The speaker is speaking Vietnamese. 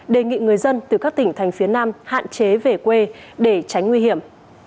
đề nghị người dân từ các tỉnh thành phía nam hạn chế về quê để tránh nguy hiểm